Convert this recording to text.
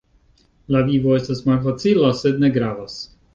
La vivo estas malfacila, sed ne gravas.